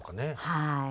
はい。